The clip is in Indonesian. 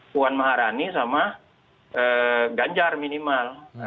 puan maharani sama ganjar minimal